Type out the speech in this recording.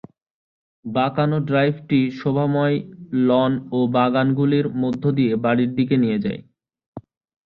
বাঁকানো ড্রাইভটি শোভাময় লন ও বাগানগুলির মধ্য দিয়ে বাড়ির দিকে নিয়ে যায়।